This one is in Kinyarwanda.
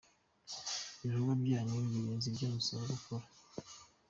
Ibikorwa byanyu birenze ibyo musabwa gukora.